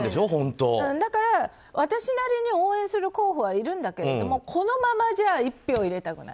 だから、私なりに応援する候補はいるんだけれどもこのままじゃ１票入れたくない。